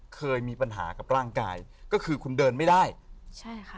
เคยมีปัญหากับร่างกายก็คือคุณเดินไม่ได้ใช่ค่ะ